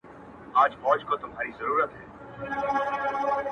مُلا سړی سو په خپل وعظ کي نجلۍ ته ويل!